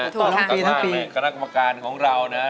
ตอนนั้นแหละรักฐกรรมการของเรานะ